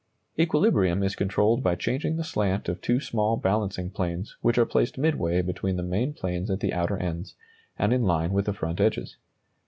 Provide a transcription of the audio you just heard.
Equilibrium is controlled by changing the slant of two small balancing planes which are placed midway between the main planes at the outer ends, and in line with the front edges.